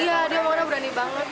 iya dia warna berani banget